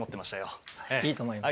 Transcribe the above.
いいと思います。